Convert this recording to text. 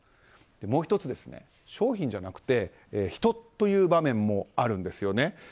もう１つ、商品じゃなくて人という場面もあるんですね。